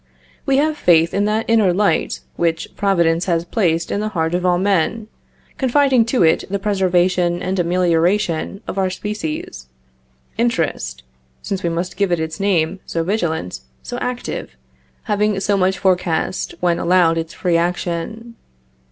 We have faith in that inner light which Providence has placed in the heart of all men; confiding to it the preservation and amelioration of our species; interest, since we must give its name, so vigilant, so active, having so much forecast when allowed its free action.